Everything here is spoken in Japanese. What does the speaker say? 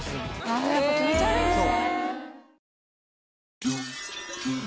あやっぱ気持ち悪いんですね